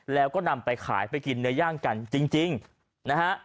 แล้วก็นำไปขายไปกินเนื้อย่างกันจริงนะฮะ